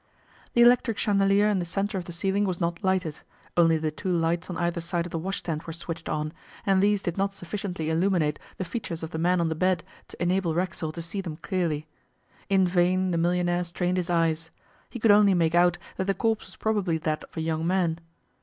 The electric chandelier in the centre of the ceiling was not lighted; only the two lights on either side of the washstand were switched on, and these did not sufficiently illuminate the features of the man on the bed to enable Racksole to see them clearly. In vain the millionaire strained his eyes; he could only make out that the corpse was probably that of a young man.